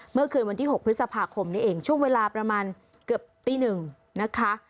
เมื่อคืนวันที่๖พฤษภาคมนี้เองช่วงเวลาประมาณเกือบตีหนึ่งนะคะ